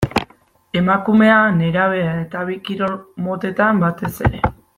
Emakumea, nerabea eta bi kirol motetan batez ere.